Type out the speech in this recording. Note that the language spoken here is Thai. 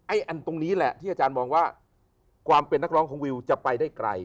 อันตรงนี้แหละที่อาจารย์มองว่าความเป็นนักร้องของวิวจะไปได้ไกล